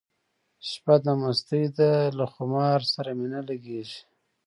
شپه د مستۍ ده له خمار سره مي نه لګیږي